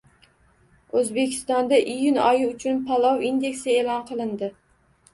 O‘zbekistonda iyun oyi uchun «palov indeksi» e'lon qilindi